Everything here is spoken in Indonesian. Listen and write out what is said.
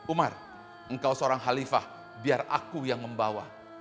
umar engkau seorang halifah biar aku yang membawa